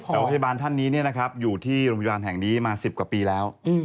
คลุมบินของลงพยาบาลแห่งนี้เนียนะครับอยู่ที่ไปมาสิบกว่าปีแล้ว